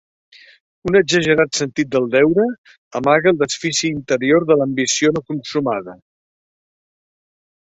Un exagerat sentit del deure amaga el desfici interior de l'ambició no consumada.